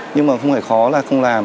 nhưng mà không phải khó là không làm